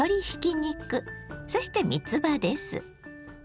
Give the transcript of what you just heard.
そしてみつばです。